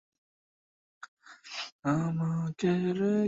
কুমুদ হাসিয়া বলিল, বসুন ঘোষমশায় বসুন।